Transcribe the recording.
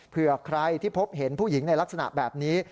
เผื่อใครที่พบเห็นผู้หญิงในลักษณะแบบนี้